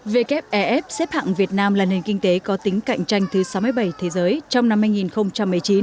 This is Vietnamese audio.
wf xếp hạng việt nam là nền kinh tế có tính cạnh tranh thứ sáu mươi bảy thế giới trong năm hai nghìn một mươi chín